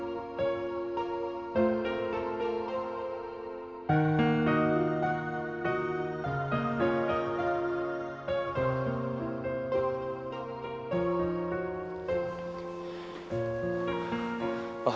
masih kek garis